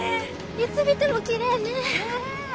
いつ見てもきれいね。